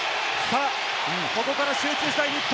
ここから集中したい日本。